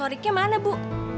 tori ke mana bu